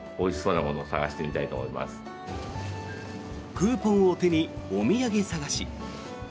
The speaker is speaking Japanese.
クーポンを手にお土産探し。